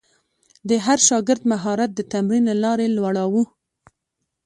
د هر شاګرد مهارت د تمرین له لارې لوړاوه.